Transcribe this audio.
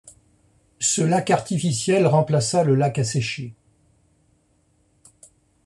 Ce lac artificiel remplaça le lac asséché.